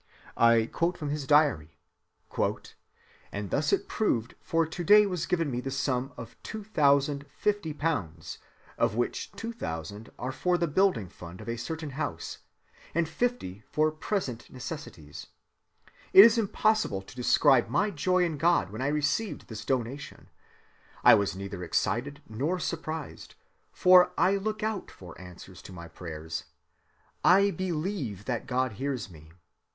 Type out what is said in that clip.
"And thus it has proved,"—I quote from his diary,—"for to‐day was given me the sum of 2050 pounds, of which 2000 are for the building fund [of a certain house], and 50 for present necessities. It is impossible to describe my joy in God when I received this donation. I was neither excited nor surprised; for I look out for answers to my prayers. _I believe that God hears me.